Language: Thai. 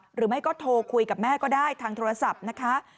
หรือไม่ก็โทรคุยกับแม่ก็ได้ทางโทรศัพท์นะคะ